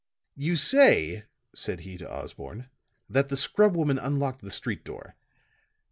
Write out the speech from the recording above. "You say," said he to Osborne, "that the scrubwoman unlocked the street door.